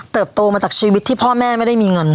โตมาจากชีวิตที่พ่อแม่ไม่ได้มีเงิน